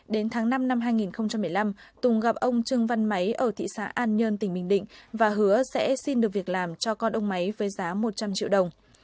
đến tháng năm năm hai nghìn một mươi năm tùng gặp ông trương văn máy ở thị xã an nhơn tỉnh bình định và hứa sẽ xin được việc làm cho con ông máy với giá một trăm linh triệu đồng